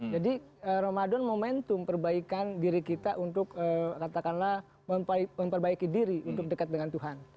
jadi ramadan momentum perbaikan diri kita untuk katakanlah memperbaiki diri untuk dekat dengan tuhan